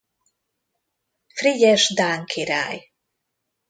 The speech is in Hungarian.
Frigyes dán király.